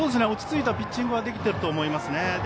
落ち着いたピッチングはできていると思います。